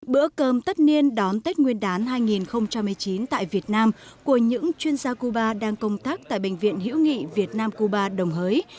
bữa cơm tất niên đón tết nguyên đán hai nghìn một mươi chín tại việt nam của những chuyên gia cuba đang công tác tại bệnh viện hữu nghị việt nam cuba đồng hới